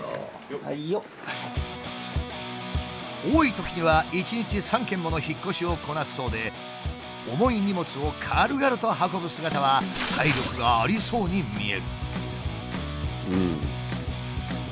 多いときには一日３件もの引っ越しをこなすそうで重い荷物を軽々と運ぶ姿は体力がありそうに見える。